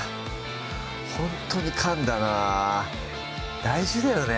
ほんとにかんだな大事だよね